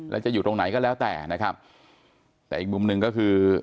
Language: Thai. แล้วจะอยู่ตรงไหนก็แล้วแต่นะครับแต่อีกมุมหนึ่งก็คือ